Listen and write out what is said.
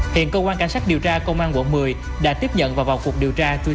hiện công an cảnh sát điều tra công an quận một mươi đã tiếp nhận vào cuộc điều tra tuy tìm đối tượng